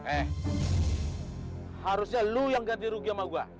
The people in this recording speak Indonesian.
eh harusnya lu yang ganti rugi sama gue